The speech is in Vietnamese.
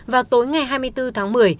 và tối ngày hai mươi bốn tháng một mươi